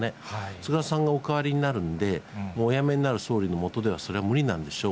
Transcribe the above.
菅さんがお代わりになるんで、お辞めになる総理の下ではそれは無理なんでしょう。